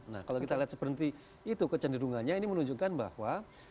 nah kalau kita lihat seperti itu kecenderungannya ini menunjukkan bahwa